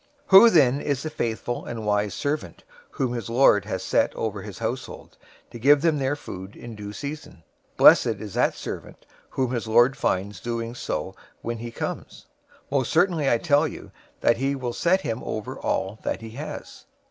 024:045 "Who then is the faithful and wise servant, whom his lord has set over his household, to give them their food in due season? 024:046 Blessed is that servant whom his lord finds doing so when he comes. 024:047 Most certainly I tell you that he will set him over all that he has.